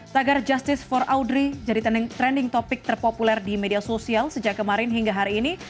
tagar justice for audrey jadi trending topic terpopuler di media sosial sejak kemarin hingga hari ini